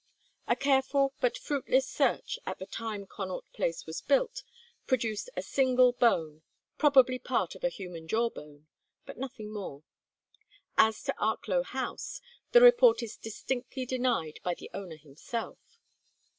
A careful but fruitless search at the time Connaught Place was built produced a single bone, probably part of a human jaw bone, but nothing more. As to Arklow House, the report is distinctly denied by the owner himself.